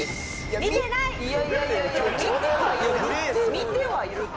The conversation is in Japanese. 見てはいるって。